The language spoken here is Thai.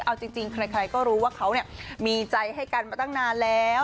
เอาจริงใครก็รู้ว่าเขามีใจให้กันมาตั้งนานแล้ว